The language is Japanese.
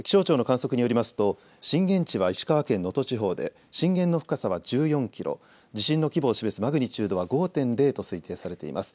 気象庁の観測によりますと震源地は石川県能登地方で震源の深さは１４キロ、地震の規模を示すマグニチュードは５．０と推定されています。